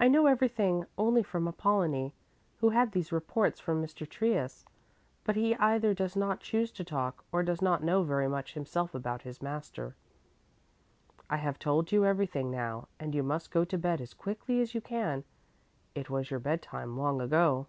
"I know everything only from Apollonie, who had these reports from Mr. Trius, but he either does not choose to talk or does not know very much himself about his master. I have told you everything now and you must go to bed as quickly as you can. It was your bedtime long ago."